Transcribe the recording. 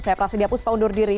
saya prasidya puspa undur diri